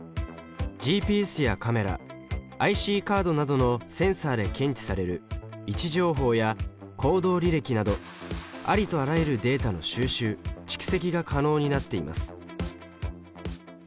ＧＰＳやカメラＩＣカードなどのセンサーで検知される位置情報や行動履歴などありとあらゆるデータの収集・蓄積が可能になっています。